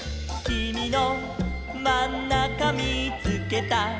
「きみのまんなかみーつけた」